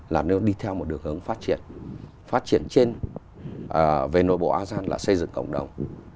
là nếu đi theo một đường hướng phát triển phát triển trên về nội bộ asean là xây dựng cộng đồng